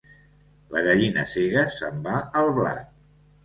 La gallina cega se'n va al blat.